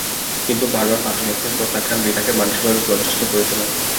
কিন্তু বারবার পাত্রপক্ষের প্রত্যাখ্যান রিতাকে মানসিকভাবে বিপর্যস্ত করে তোলে।